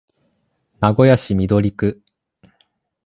名古屋市緑区